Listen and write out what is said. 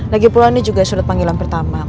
lagipula ini juga surat panggilan pertama